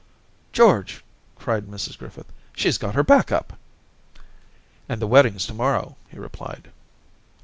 * George/ cried Mrs Griffith, *shes got her back up.* ' And the wedding's to morrow/ he replied.